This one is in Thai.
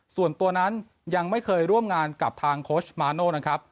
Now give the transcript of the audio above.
ส่วนตัวนั้นยังไม่เคยร่วมงานกับทางโค้ชมาโน่นะครับ